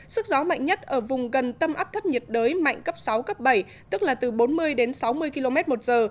sức gió mạnh nhất ở vùng gần tâm áp thấp nhiệt đới mạnh cấp sáu cấp bảy tức là từ bốn mươi đến sáu mươi km một giờ